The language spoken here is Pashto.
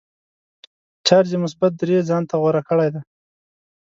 چارج یې مثبت درې ځانته غوره کړی دی.